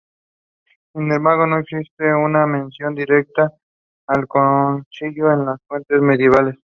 Sin embargo, no existe una mención directa al concilio en las fuentes medievales.